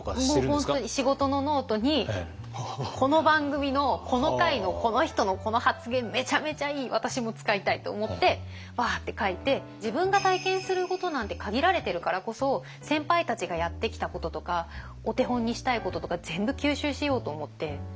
本当に仕事のノートにこの番組のこの回のこの人のこの発言めちゃめちゃいい私も使いたい！と思ってワーッて書いて自分が体験することなんて限られてるからこそ先輩たちがやってきたこととかお手本にしたいこととか全部吸収しようと思って。